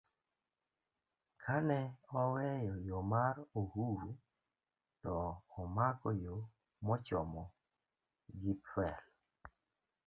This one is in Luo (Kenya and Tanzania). kane oweyo yo mar Uhuru to omako yo mochomo Gipfel,